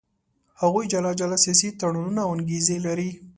هغوی جلا جلا سیاسي تړاوونه او انګېزې لري.